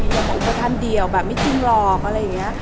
อย่าก็บอกก็อุปทานเดียวแบบไม่จริงหรอกนะ